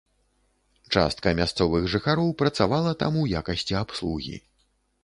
Частка мясцовых жыхароў працавала там у якасці абслугі.